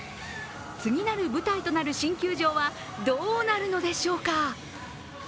次なる舞台となる新球場はどうなるのでしょうか。